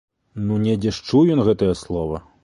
Ну недзе ж чуў ён гэтае слова!